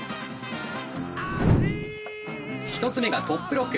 １つ目がトップロック。